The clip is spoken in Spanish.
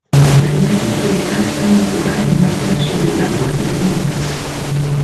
Las imágenes proyectadas estaban enfocadas en imágenes sobre el agua y tormentas.